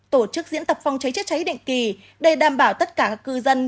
tổ chức diễn tập phòng cháy chữa cháy định kỳ để đảm bảo tất cả các cư dân